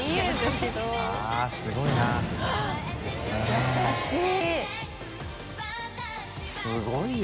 優しい！